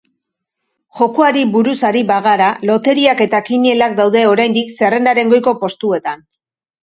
Jokoari buruz ari bagara, loteriak eta kinielak daude oraindik zerrendaren goiko postuetan.